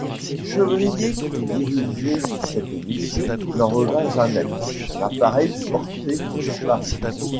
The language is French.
Chevrier qui dirigeait cette mission n'en revint jamais, son appareil fut porté disparu.